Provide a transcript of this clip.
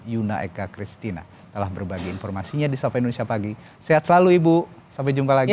yuna eka christina telah berbagi informasinya di sapa indonesia pagi sehat selalu ibu sampai jumpa lagi